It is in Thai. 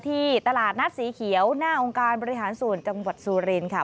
ที่ตลาดนัดสีเขียวหน้าองค์การบริหารส่วนจังหวัดสุรินค่ะ